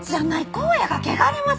光矢が汚れます。